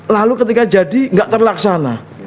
lalu ketika jadi nggak terlaksana